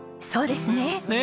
そうですね。